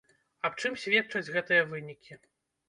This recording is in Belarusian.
Аб чым сведчаць гэтыя вынікі?